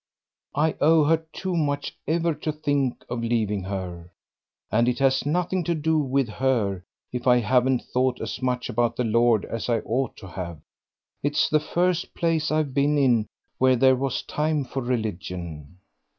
"I owe her too much ever to think of leaving her. And it has nothing to do with her if I haven't thought as much about the Lord as I ought to have. It's the first place I've been in where there was time for religion."